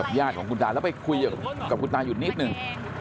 ญาติของคุณตาแล้วไปคุยกับคุณตาหยุดนิดนึง